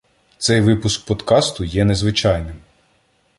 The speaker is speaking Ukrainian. Цей випуск подкасту є незвичайним.